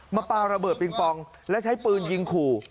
ปลาระเบิดปิงปองและใช้ปืนยิงขู่